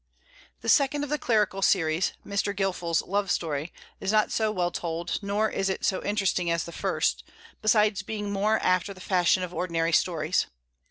The second of the Clerical series "Mr. Gilfil's Love Story" is not so well told, nor is it so interesting as the first, besides being more after the fashion of ordinary stories.